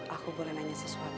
aku boleh nanya sesuatu